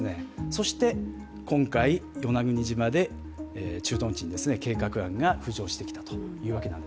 そして今回、与那国島で駐屯地に計画案が浮上してきたということ。